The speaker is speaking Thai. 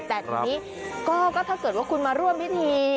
แต่ทีนี้ก็ถ้าเกิดว่าคุณมาร่วมพิธี